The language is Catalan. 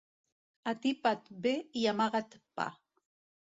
Atipa't bé i amaga't pa.